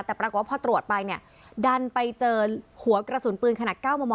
แต่ปรากฏว่าพอตรวจไปเนี่ยดันไปเจอหัวกระสุนปืนขนาด๙มม